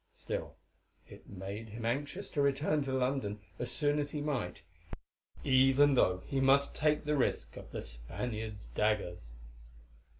Still it made him anxious to return to London as soon as might he, even though he must take the risk of the Spaniards' daggers.